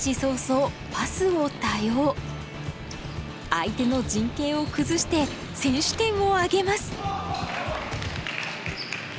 相手の陣形を崩して先取点を挙げます。